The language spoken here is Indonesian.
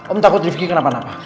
om takut rifki kenapa napa